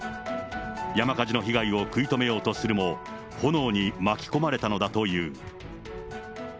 山火事の被害を食い止めようとするも、炎に巻き込まれたのだという。